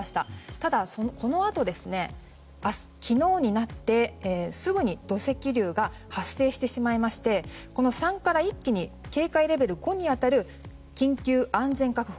ただ、このあと昨日になってすぐに土石流が発生してしまいましてレベル３から一気に警戒レベル５に当たる緊急安全確保